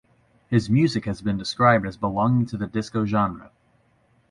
His music has been described as belonging to the disco genre.